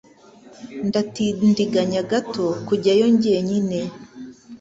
Ndatindiganya gato kujyayo jyenyine.